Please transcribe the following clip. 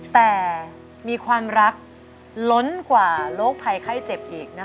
แต่มีความรักล้นกว่าโรคภัยไข้เจ็บอีกนะคะ